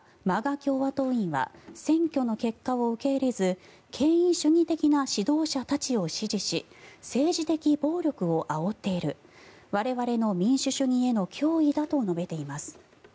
共和党員は選挙の結果を受け入れず権威主義的な指導者を支持し政治的暴力をあおっている我々の民主主義への脅威だと述べています。